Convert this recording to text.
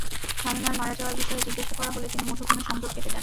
শামিমার মারা যাওয়ার বিষয়ে জিজ্ঞাসা করা হলে তিনি মুঠোফোনের সংযোগ কেটে দেন।